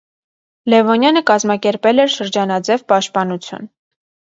Լևոնյանը կազմակերպել էր շրջանաձև պաշտպանություն։